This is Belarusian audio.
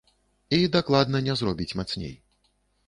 І дакладна не зробіць мацней.